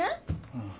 うん。